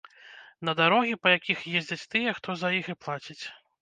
На дарогі, па якіх ездзяць тыя, хто за іх і плаціць.